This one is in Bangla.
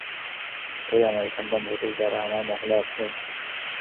ওই আমেরিকান দম্পতি, যারা অমর মহলে আছে?